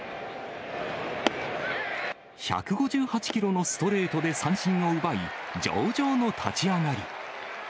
１５８キロのストレートで三振を奪い、上々の立ち上がり。